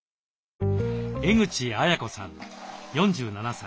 江口綾子さん４７歳。